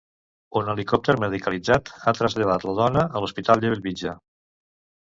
Un helicòpter medicalitzat ha traslladat la dona a l'Hospital de Bellvitge.